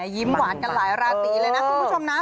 ยิ้มหวานกันหลายราศีเลยนะคุณผู้ชมนะ